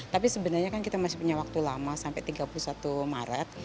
tapi sebenarnya kan kita masih punya waktu lama sampai tiga puluh satu maret